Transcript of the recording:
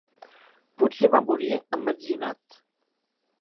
Potser va morir emmetzinat.